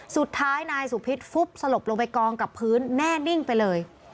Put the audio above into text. สุดท้ายนายสุพิษฟุบสลบลงไปกองกับพื้นแน่นิ่งไปเลย